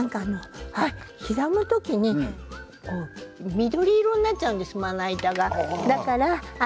刻む時に緑色になっちゃうんですまな板が。